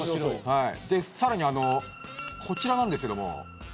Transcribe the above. さらにこちらなんですけれど。